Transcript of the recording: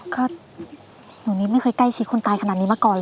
ก็หนูนี่ไม่เคยใกล้ชิดคนตายขนาดนี้มาก่อนเลย